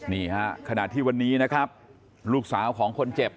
นี่ฮะขณะที่วันนี้นะครับลูกสาวของคนเจ็บ